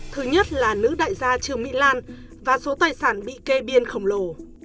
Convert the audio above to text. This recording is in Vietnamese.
thứ nhất là nữ đại gia trương mỹ lan và số tài sản bị kê biên khổng lồ